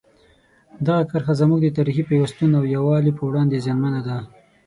دغه کرښه زموږ د تاریخي پیوستون او یووالي په وړاندې زیانمنه ده.